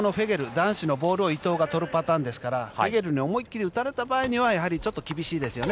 男子のボールを伊藤が取るパターンですからフェゲルに思い切り打たれた場合にはやはりちょっと厳しいですよね。